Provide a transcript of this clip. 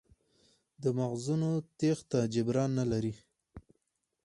د مغزونو تېښته جبران نه لري.